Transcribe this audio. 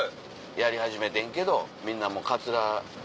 やり始めてんけどみんなもうカツラ。